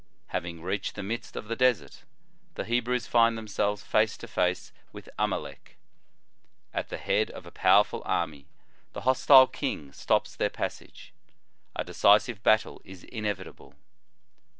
Having reached the midst of the desert, the Hebrews find themselves face to face with Amalec. At the head of a powerful army, the hostile king stops their passage. A decisive battle is inevitable.